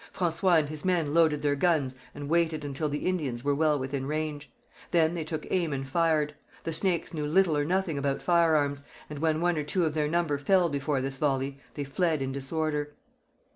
François and his men loaded their guns and waited until the Indians were well within range. Then they took aim and fired. The Snakes knew little or nothing about firearms, and when one or two of their number fell before this volley, they fled in disorder.